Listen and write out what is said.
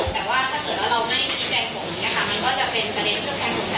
ถ้าเราไม่ชี้แจผมเนี่ยค่ะมันก็จะเป็นประเด็นที่เราแพงสุดใจ